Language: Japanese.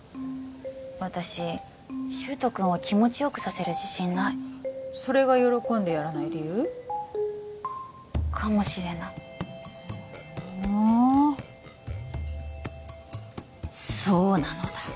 私柊人君を気持ちよくさせる自信ないそれが喜んでヤらない理由？かもしれないはあそうなのだ